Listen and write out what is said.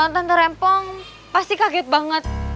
tante rempong pasti kaget banget